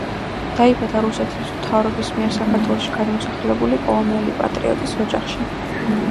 დაიბადა რუსეთის მთავრობის მიერ საქართველოში გადმოსახლებული პოლონელი პატრიოტის ოჯახში.